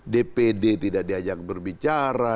dpd tidak diajak berbicara